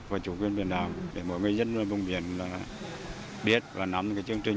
và chủ quyền biển đảo để mỗi người dân vùng biển biết và nắm cái chương trình